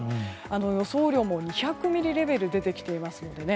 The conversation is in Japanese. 予想雨量も２００ミリレベルが出てきていますのでね。